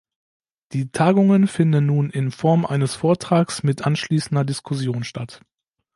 Die Tagungen finden nun in Form eines Vortrags mit anschließender Diskussion statt.